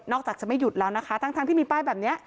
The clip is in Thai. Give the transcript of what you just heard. จากจะไม่หยุดแล้วนะคะทั้งที่มีป้ายแบบนี้